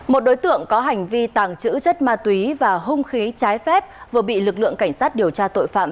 một đối tượng có hành vi tàng trữ chất ma túy và hung khí trái phép vừa bị lực lượng cảnh sát điều tra tội phạm